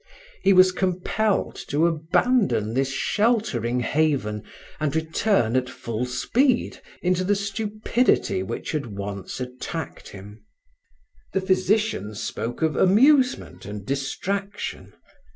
He was compelled to abandon this sheltering haven and return at full speed into the stupidity which had once attacked him. The physicians spoke of amusement and distraction.